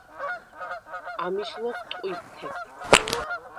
ამის ლოხტყვიბ თეფ.